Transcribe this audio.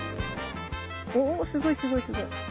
おすごいすごいすごい！